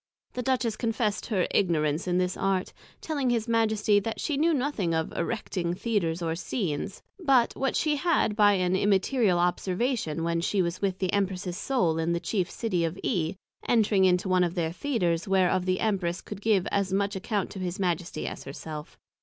The Duchess confessed her Ignorance in this Art, telling his Majesty that she knew nothing of erecting Theatres or Scenes, but what she had by an Immaterial Observation, when she was with the Empress's Soul in the chief City of E. Entring into one of their Theatres, whereof the Empress could give as much account to his Majesty, as her self.